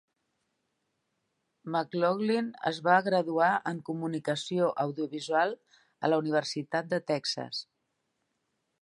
McLaughlin es va graduar en comunicació audiovisual a la Universitat de Texas.